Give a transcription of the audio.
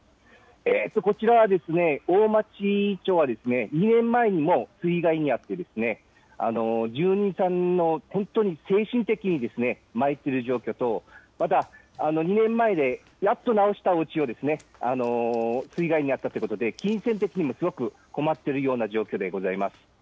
こちらは大町町は、２年前にも水害に遭ってですね、住民さんも本当に精神的にまいっている状況と、また２年前でやっと直したおうちを水害に遭ったということで、金銭的にもすごく困っているような状況でございます。